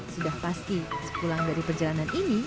sudah pasti sepulang dari perjalanan ini